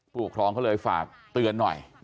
ผู้ปกครองเขาเลยฝากเตือนหน่อย